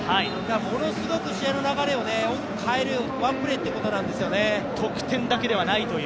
ものすごく試合の流れを大きく変えるワンプレーということなんですよね。